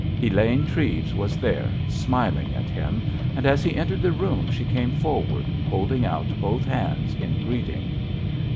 Elaine Treves was there, smiling at him, and as he entered the room she came forward, holding out both hands in greeting.